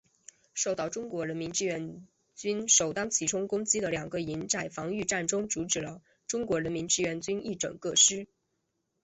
受到中国人民志愿军首当其冲攻击的两个营在防御战中阻止了中国人民志愿军一整个师。